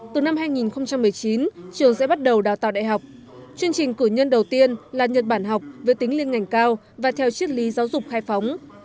từ năm hai nghìn một mươi chín trường sẽ bắt đầu đào tạo đại học chương trình cử nhân đầu tiên là nhật bản học với tính liên ngành cao và theo triết lý giáo dục khai phóng